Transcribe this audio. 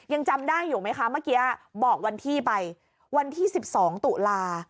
ยังจำได้อยู่ไหมคะเมื่อกี้บอกวันที่ไปวันที่๑๒ตุลา